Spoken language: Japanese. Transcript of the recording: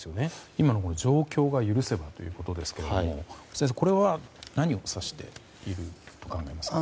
今の、状況が許せばということですけれどもこれは、何を指しているとお考えですか？